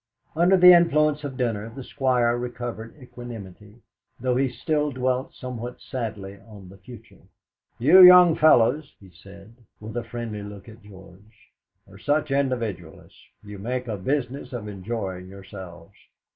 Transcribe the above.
Under the influence of dinner the Squire recovered equanimity, though he still dwelt somewhat sadly on the future. "You young fellows," he said, with a friendly look at George, "are such individualists. You make a business of enjoying yourselves.